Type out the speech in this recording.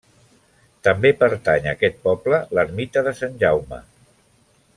També pertany a aquest poble l'ermita de Sant Jaume.